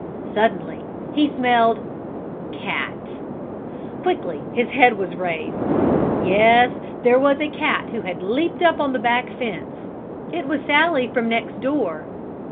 Suddenly he smelled cat. Quickly his head was raised. Yes, there was a cat who had leaped up on the back fence. It was Sallie from next door.